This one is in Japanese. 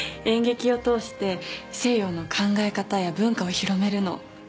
演劇を通して西洋の考え方や文化を広めるの。